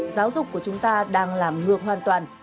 giáo dục của chúng ta đang làm ngược hoàn toàn